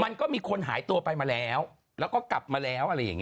มันก็มีคนหายตัวไปมาแล้วแล้วก็กลับมาแล้วอะไรอย่างนี้